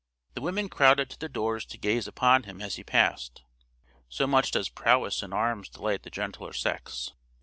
The women crowded to the doors to gaze upon him as he passed, so much does prowess in arms delight the gentler sex.